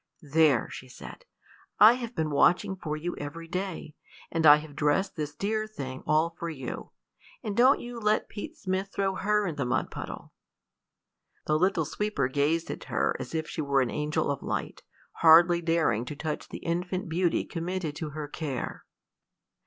"There," she said, "I have been watching for you every day, and I have dressed this dear thing all for you; and don't you let Pete Smith throw her in the mud puddle." The little sweeper gazed at her as if she were an angel of light, hardly daring to touch the infant beauty committed to her care.